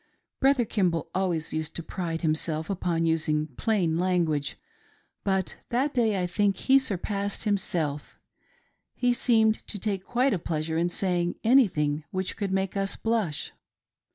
Brother Kimball always used to pride himself upon using " plain " language, but that day I think he sur passed himself ; he seemed to take quite a pleasure in saying anything which could make us blush.